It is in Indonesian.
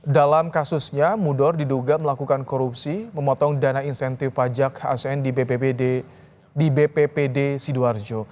dalam kasusnya mudor diduga melakukan korupsi memotong dana insentif pajak asn di bppd sidoarjo